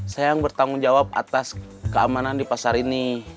saya yang bertanggung jawab atas keamanan di pasar ini